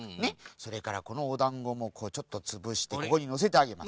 それからこのおだんごもちょっとつぶしてここにのせてあげます。